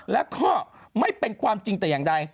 และก็ไม่เป็นความจริงแต่อย่างใด